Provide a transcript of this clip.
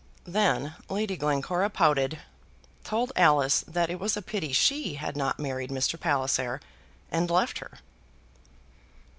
Then Lady Glencora pouted, told Alice that it was a pity she had not married Mr. Palliser, and left her.